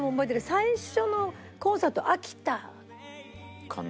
最初のコンサート秋田かな？